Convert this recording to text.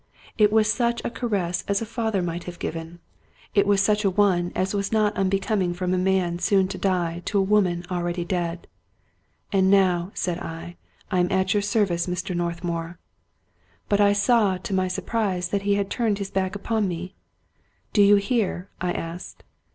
It was such a caress as a father might have given ; 208 Robert Louis Stevenson it was such a one as was not unbecoming from a man soon, to die to a woman already dead. " And now," said I, " I am at your service, Mr. North mour." But I saw, to my surprise, that he had turned his back upon me. " Do you hear? " I asked.